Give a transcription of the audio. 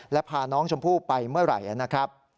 และพาน้องชมพู่ไปเมื่อไหร่